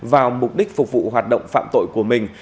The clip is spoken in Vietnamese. vào mục đích phục vụ hoạt động phạm tội của mình